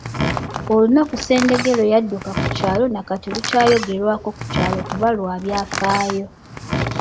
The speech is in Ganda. Olunaku Ssendege lwe yadduka ku kyalo nakati lukyayogerwako ku kyalo kuba lwa byafaayo.